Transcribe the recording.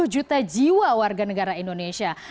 satu juta jiwa warga negara indonesia